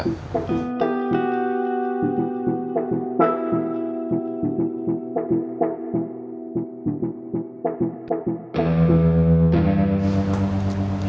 aku mau ke rumah rara